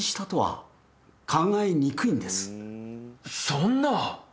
そんな。